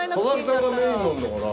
佐々木さんがメインなんだから。